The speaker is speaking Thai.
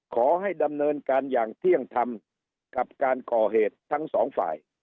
ขอให้ดำเนินการอย่างเที่ยงธรรมกับการก่อเหตุทั้งสองฝ่าย